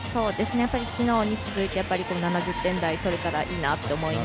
昨日に続いて７０点台取れたらいいなと思います。